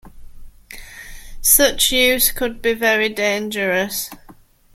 Such use could be very dangerous.